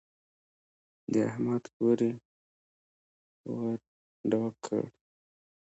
د احمد کور يې ور ډاک کړ.